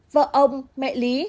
vợ ông mẹ lý